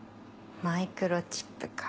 マイクロチップか。